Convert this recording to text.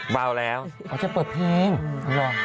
เบาแล้วเขาจะเปิดเพลง